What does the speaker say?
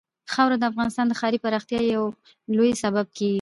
خاوره د افغانستان د ښاري پراختیا یو لوی سبب کېږي.